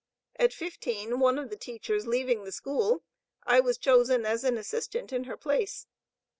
At fifteen, one of the teachers leaving the school, I was chosen as an assistant in her place.